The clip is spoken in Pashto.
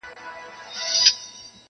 o مور او ورور پلان جوړوي او خبري کوي,